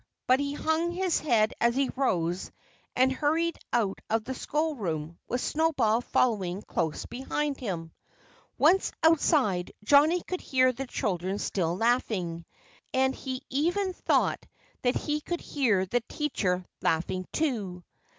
But he hung his head as he rose and hurried out of the schoolroom, with Snowball following close behind him. Once outside Johnnie could hear the children still laughing. And he even thought that he could hear the teacher laughing, too.